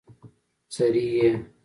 څرې يې؟